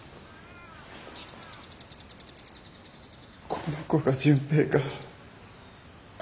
この子が純平か。